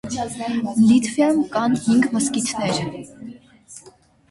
Լիտվայում կան հինգ մզկիթներ։